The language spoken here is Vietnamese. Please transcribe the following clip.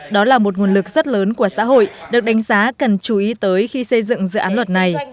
đó là một nguồn lực rất lớn của xã hội được đánh giá cần chú ý tới khi xây dựng dự án luật này